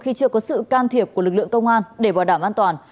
khi chưa có sự can thiệp của lực lượng công an để bảo đảm an toàn